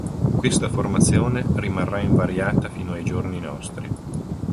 Questa formazione rimarrà invariata fino ai giorni nostri.